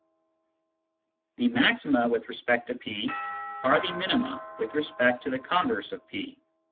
The " maxima " with respect to P are the minima with respect to the converse of P.